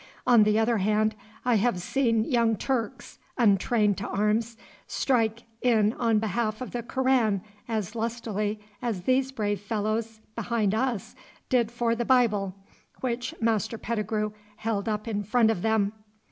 On the other hand, I have seen young Turks, untrained to arms, strike in on behalf of the Koran as lustily as these brave fellows behind us did for the Bible which Master Pettigrue held up in front of them.